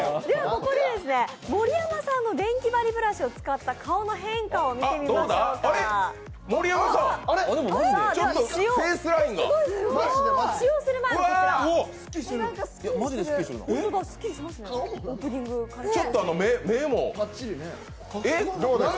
ここで盛山さんのデンキバリブラシを使った顔の変化を見てみましょうか。